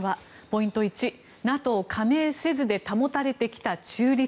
ポイント１、ＮＡＴＯ加盟せずで保たれてきた中立。